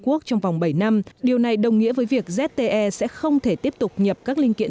quốc trong vòng bảy năm điều này đồng nghĩa với việc zte sẽ không thể tiếp tục nhập các linh kiện